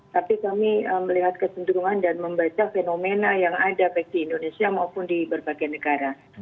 tapi kami melihat kecenderungan dan membaca fenomena yang ada baik di indonesia maupun di berbagai negara